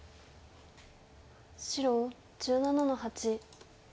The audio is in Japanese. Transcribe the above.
白１７の八。